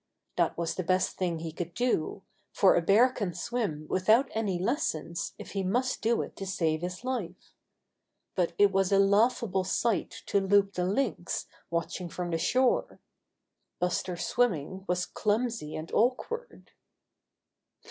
That was the best thing he could do, for a bear can swim without any lessons if he must do it to save his life. But it was a laughable sight to Loup the Lynx watching from the shore. Buster's swimming was clumsy and awkward.